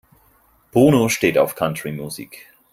Bruno steht auf Country-Musik.